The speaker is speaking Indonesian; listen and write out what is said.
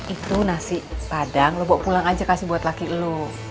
itu nasi padang lo bawa pulang aja kasih buat laki lo